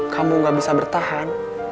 kamu gak bisa bertahan